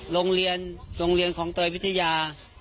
โรงเรียนโรงเรียนของเตยวิทยา